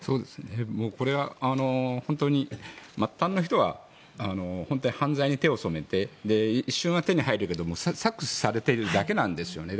これは末端の人は犯罪に手を染めて一瞬は手に入るけれども搾取されているわけなんですね。